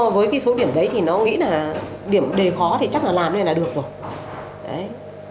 với số điểm đấy thì nó nghĩ là điểm đầy khó thì chắc là làm đây là được rồi